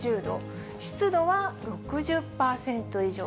湿度は６０％以上。